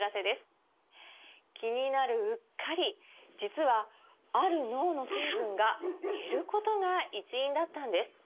気になるうっかり実はある脳の成分が減ることが一因だったんです